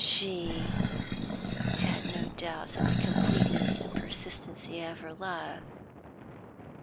She had no doubts of the completeness and persistency of her love.